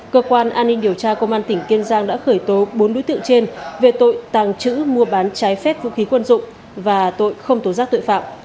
cơ quan an ninh điều tra công an tỉnh kiên giang đã khởi tố bốn đối tượng trên về tội tàng trữ mua bán trái phép vũ khí quân dụng và tội không tố giác tội phạm